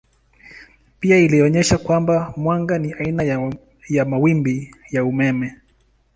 Pia alionyesha kwamba mwanga ni aina ya mawimbi ya umeme.